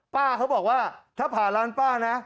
ป้าเขาบอกว่าถ้าผ่านร้านป้านะ